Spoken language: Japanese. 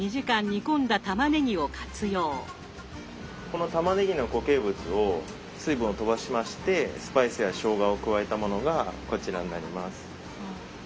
このたまねぎの固形物を水分を飛ばしましてスパイスやしょうがを加えたものがこちらになります。